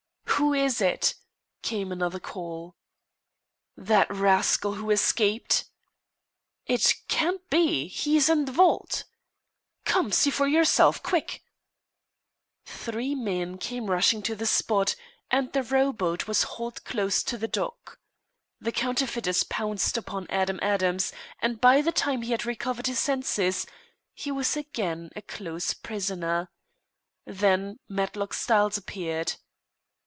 "Who is it?" came another call. "That rascal who escaped!" "It can't be he is in the vault." "Come, see for yourself. Quick!" Three men came rushing to the spot, and the rowboat was hauled close to the dock. The counterfeiters pounced upon Adam Adams, and by the time he had recovered his senses, he was again a close prisoner. Then Matlock Styles appeared.